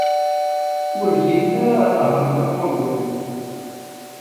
Ur llint ara nehhṛent afurgu-nni.